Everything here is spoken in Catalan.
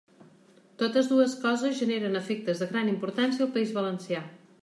Totes dues coses generen efectes de gran importància al País Valencià.